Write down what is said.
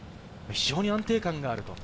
非常に安定感がある。